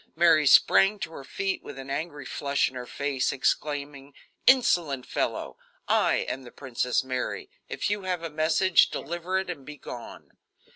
Mary sprang to her feet with an angry flush in her face, exclaiming: "Insolent fellow, I am the Princess Mary; if you have a message, deliver it and be gone."